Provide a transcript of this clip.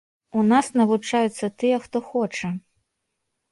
У нас навучаюцца тыя, хто хоча.